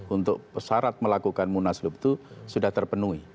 untuk syarat melakukan munas lut itu sudah terpenuhi